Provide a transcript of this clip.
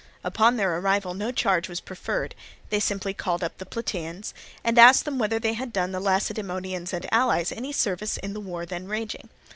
Upon their arrival no charge was preferred; they simply called up the Plataeans, and asked them whether they had done the Lacedaemonians and allies any service in the war then raging.